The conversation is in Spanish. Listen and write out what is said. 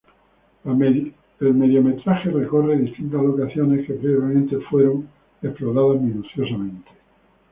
El mediometraje recorre distintas locaciones que previamente fueron exploradas minuciosamente.